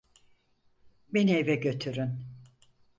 Beni eve götürün.